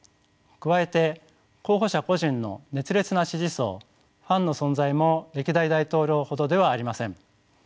加えて候補者個人の熱烈な支持層ファンの存在も歴代大統領ほどではありません。